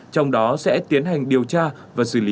trong đó sẽ tiến hành điều tra và xử lý